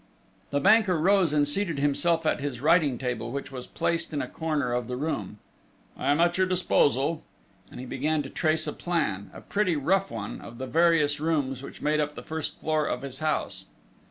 The banker rose and seated himself at his writing table, which was placed in a corner of the room. "I am at your disposal." And he began to trace a plan, a pretty rough one, of the various rooms which made up the first floor of his house.